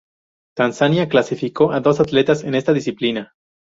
Tanzania clasificó a dos atletas en esta disciplina.